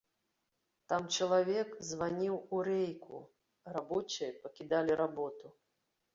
Там чалавек званіў у рэйку, рабочыя пакідалі работу.